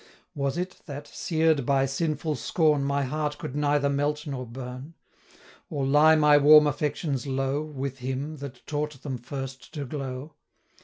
Was it, that, sear'd by sinful scorn, 115 My heart could neither melt nor burn? Or lie my warm affections low, With him, that taught them first to glow?